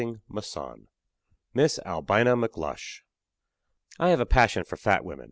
WILLIS MISS ALBINA McLUSH I have a passion for fat women.